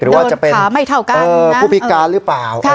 หรือว่าจะเป็นผู้พิการหรือเปล่า